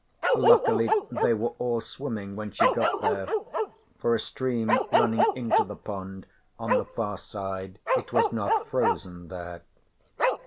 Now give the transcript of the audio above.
Luckily they were all swimming when she got there (for a stream running into the pond on the far side it was not frozen there).